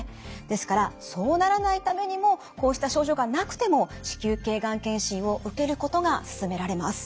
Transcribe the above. ですからそうならないためにもこうした症状がなくても子宮頸がん検診を受けることが勧められます。